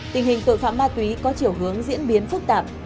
tình hình tội phạm ma túy có chiều hướng diễn biến phức tạp